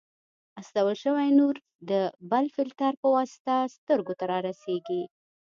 استول شوی نور د بل فلټر په واسطه سترګو ته رارسیږي.